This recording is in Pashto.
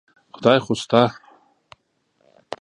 خدای خو شته.